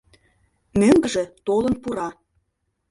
Мӧҥгыжӧ толын пура.